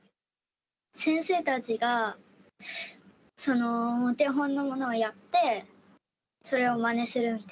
先生たちがそのお手本のものをやって、それをまねする。